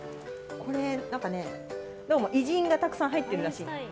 これ、どうも偉人がたくさん入っているらしい。